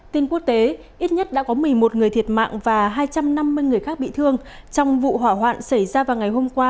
tin quốc tế ít nhất đã có một mươi một người thiệt mạng và hai trăm năm mươi người khác bị thương trong vụ hỏa hoạn xảy ra vào ngày hôm qua